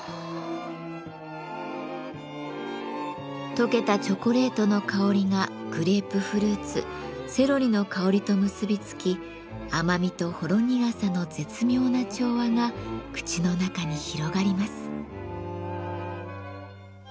溶けたチョコレートの香りがグレープフルーツセロリの香りと結びつき甘みとほろ苦さの絶妙な調和が口の中に広がります。